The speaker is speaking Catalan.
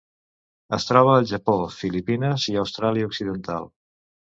Es troba al Japó, Filipines i Austràlia Occidental.